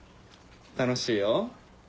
楽しいよ。